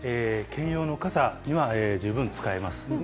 兼用の傘には十分使えます。